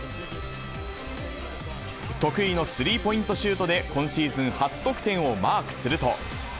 得意のスリーポイントシュートで今シーズン初得点をマークすると。